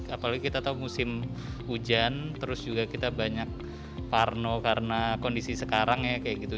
apalagi kita tahu musim hujan terus juga kita banyak parno karena kondisi sekarang ya kayak gitu